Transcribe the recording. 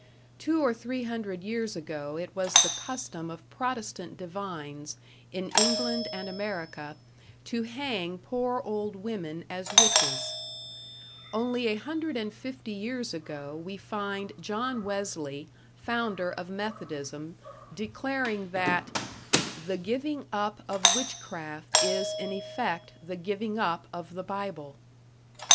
Two or three hundred years ago it was the custom of Protestant divines in England and America to hang poor old women as witches; only a hundred and fifty years ago we find John Wesley, founder of Methodism, declaring that "the giving up of witchcraft is in effect the giving up of the Bible."